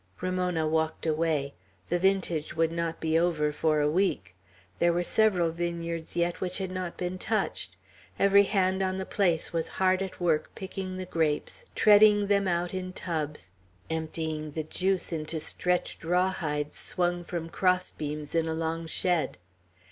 Ramona walked away. The vintage would not be over for a week. There were several vineyards yet which had not been touched; every hand on the place was hard at work, picking the grapes, treading them out in tubs, emptying the juice into stretched raw hides swung from cross beams in a long shed.